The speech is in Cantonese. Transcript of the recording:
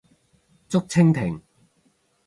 竹蜻蜓